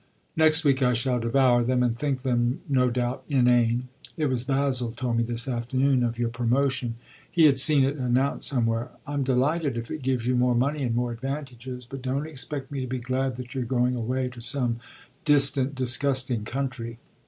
Next week I shall devour them and think them, no doubt, inane. It was Basil told me this afternoon of your promotion he had seen it announced somewhere, I'm delighted if it gives you more money and more advantages, but don't expect me to be glad that you're going away to some distant, disgusting country."